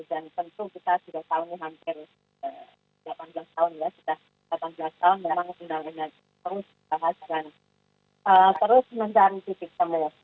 dan tentu kita sudah tahun ini hampir delapan belas tahun ya sudah delapan belas tahun memang undang undang terus berbahas dan terus mencari titik semua